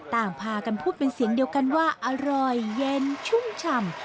ต่างพากันพูดเป็นเสียงเดียวกันว่าอร่อยเย็นชุ่มฉ่ำ